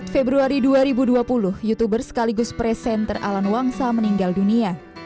februari dua ribu dua puluh youtuber sekaligus presenter alan wangsa meninggal dunia